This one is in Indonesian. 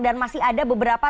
dan masih ada beberapa